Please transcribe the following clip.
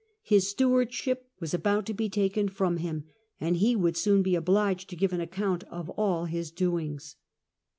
His stewardship was about to be taken from him, and he would soon be obliged to give an account of all his doings.